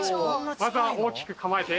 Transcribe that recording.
まずは大きく構えて。